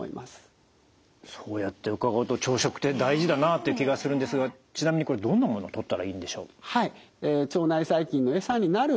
そうやって伺うと朝食って大事だなっていう気がするんですがちなみにこれどんなものをとったらいいんでしょう？